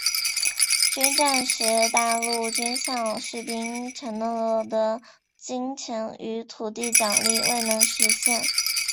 战时大陆军向士兵承诺的金钱与土地奖励未能兑现。